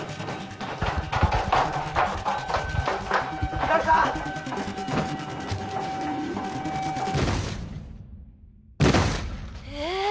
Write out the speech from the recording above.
光莉さん！え。